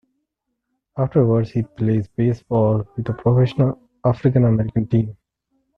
Afterward, he plays baseball with a professional African-American team.